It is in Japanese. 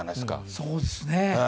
そうですね。